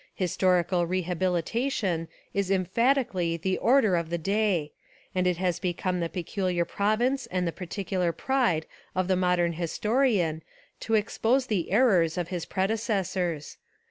Historical rehabilitation is emphatically the or der of the day, and it has become the peculiar province and the particular pride of the mod ern historian to expose the errors of his prede cessors.